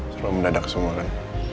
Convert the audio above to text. seru mendadak semua kan